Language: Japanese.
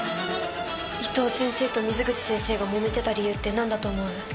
伊藤先生と水口先生がもめてた理由って何だと思う？